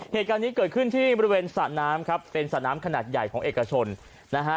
เหตุการณ์นี้เกิดขึ้นที่บริเวณสระน้ำครับเป็นสระน้ำขนาดใหญ่ของเอกชนนะฮะ